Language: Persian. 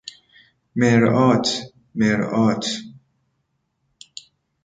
مرآت ـ مرآة